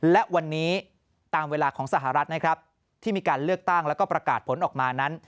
และวันนี้ตามเวลาของสหรัฐนะครับที่มีการเลือกตั้งแล้วก็ประกาศผลออกมานั้น